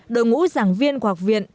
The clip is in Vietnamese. đội ngũ giảng viên của học viện